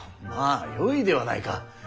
まあよいではないか。